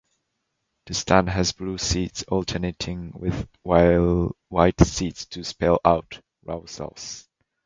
The stand has blue seats alternating with white seats to spell out "Laois Laois".